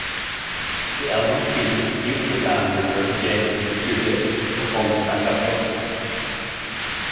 The album features future band member Jade Puget performing back-up vocals.